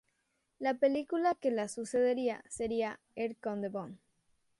La película que la sucedería seria "Er Conde Bond".